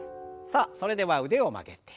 さあそれでは腕を曲げて。